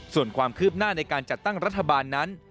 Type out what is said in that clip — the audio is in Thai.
ส่วนความคืบหน้าในการจัดตั้งรัฐบาลนั้น